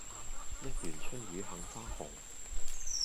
一園春雨杏花紅